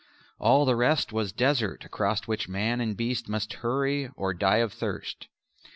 All the rest was desert across which man and beast must hurry or die of thirst.